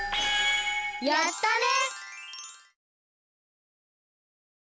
やったね！